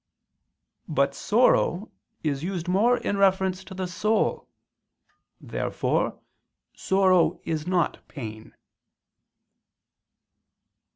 But sorrow is used more in reference to the soul. Therefore sorrow is not pain.